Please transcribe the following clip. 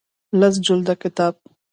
لس جلده کتاب